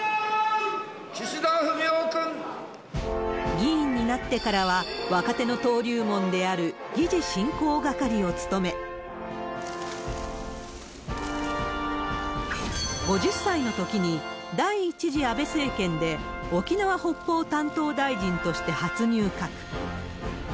議員になってからは、若手の登竜門である議事進行係を務め、５０歳のときに第１次安倍政権で沖縄・北方担当大臣として初入閣。